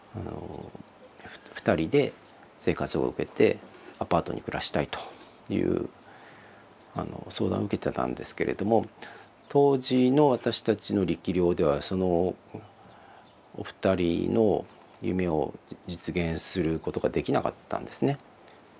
ふたりで生活保護を受けてアパートに暮らしたいという相談を受けてたんですけれども当時の私たちの力量ではそのお二人の夢を実現することができなかったんですね。